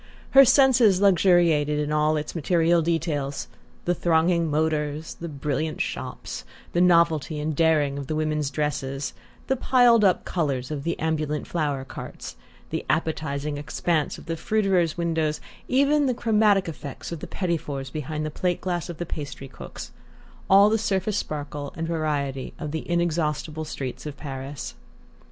Her senses luxuriated in all its material details: the thronging motors, the brilliant shops, the novelty and daring of the women's dresses, the piled up colours of the ambulant flower carts, the appetizing expanse of the fruiterers' windows, even the chromatic effects of the petits fours behind the plate glass of the pastry cooks: all the surface sparkle and variety of the inexhaustible streets of Paris.